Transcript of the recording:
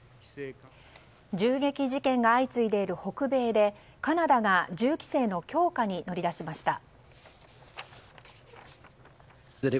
銃撃事件が相次いでいる北米でカナダが銃規制の強化に乗り出しました。